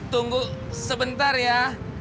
tunggu sebentar ya